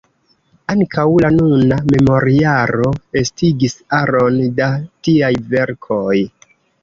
Ankaŭ la nuna memorjaro estigis aron da tiaj verkoj.